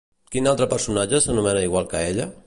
Quin altre personatge s'anomena igual que ella?